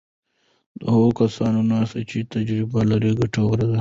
د هغو کسانو ناسته چې تجربه لري ګټوره ده.